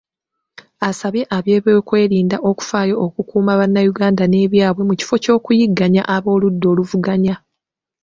Asabye abeebyokwerinda okufaayo okukuuma bannayuganda n’ebyabwe mu kifo ky’okuyigganya ab’oludda oluvuganya.